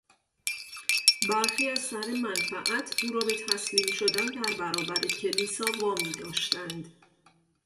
برخی از سر منفعت او را به تسلیم شدن در برابر کلیسا وا میداشتند.